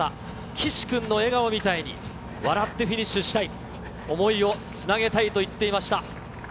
岸君の笑顔みたいに、笑ってフィニッシュしたい、想いをつなげたいと言っていました。